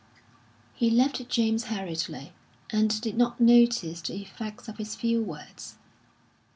He left James hurriedly, and did not notice the effect of his few words....